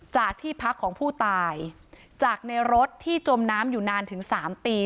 จากที่พักของผู้ตายจากในรถที่จมน้ำอยู่นานถึง๓ปี